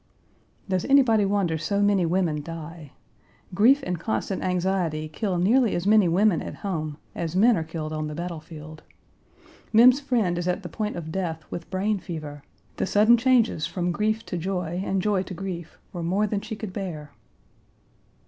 Does anybody wonder so many women die? Grief and constant anxiety kill nearly as many women at home as men are killed on the battle field. Mem's friend is at the point of death with brain fever; the sudden changes from grief to joy and joy to grief were more than she could bear.